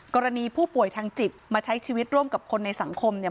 กรณีผู้ป่วยทางจิตมาใช้ชีวิตร่วมกับคนในสังคมเนี่ย